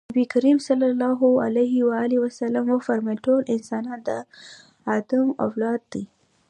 نبي کريم ص وفرمايل ټول انسانان د ادم اولاده دي.